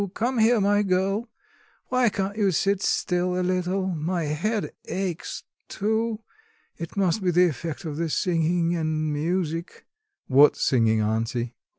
Come here, my girl; why can't you sit still a little? My head aches too. It must be the effect of the singing and music." "What singing, auntie?"